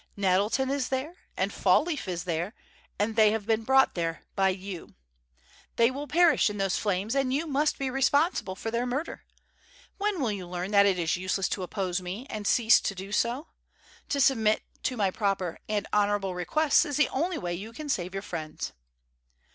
"Nettleton is there, and Fall leaf is there, and they have been brought there by you. They will perish in those flames, and you must be responsible for their murder. When will you learn that it is useless to oppose me, and cease to do so? To submit to my proper and honorable requests is the only way you can save your friends."